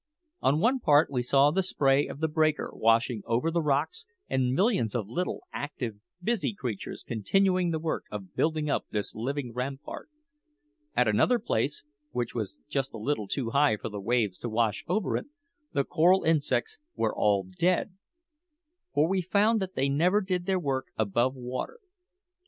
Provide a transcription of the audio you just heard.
On one part we saw the spray of the breaker washing over the rocks, and millions of little, active, busy creatures continuing the work of building up this living rampart. At another place, which was just a little too high for the waves to wash over it, the coral insects were all dead; for we found that they never did their work above water.